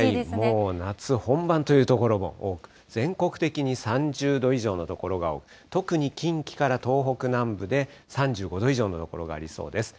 もう夏本番という所も多く、全国的に３０度以上の所が多く、特に近畿から東北南部で３５度以上の所がありそうです。